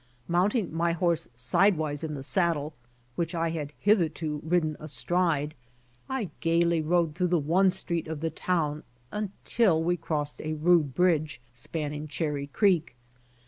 Mounting my horse sidewise in the saddle, which I had hitherto ridden astride, I gaily rode through the one street of the town until we crossed a rude bridge, spanning Cherry creek.